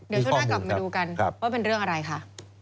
เดี๋ยวช่วงหน้ากลับมาดูกันว่าเป็นเรื่องอะไรค่ะ